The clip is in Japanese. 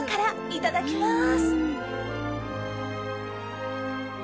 いただきます。